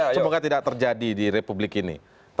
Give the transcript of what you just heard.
semoga tidak terjadi di republik ini